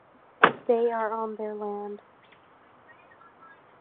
They are on their land.